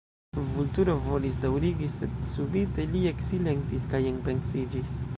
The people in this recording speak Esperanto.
Vulturo volis daŭrigi, sed subite li eksilentis kaj enpensiĝis.